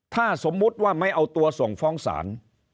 ถ้าสมมุติว่าไม่เอาตัวส่งฟ้องศาล